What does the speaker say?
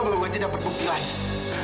gue baru aja dapat bukti lain